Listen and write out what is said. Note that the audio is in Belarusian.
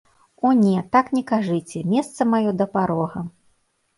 О не, так не кажыце, месца маё да парога.